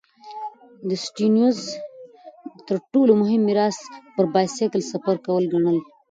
سټيونز تر ټولو مهم میراث پر بایسکل سفر کول ګڼل.